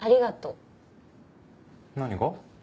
何が？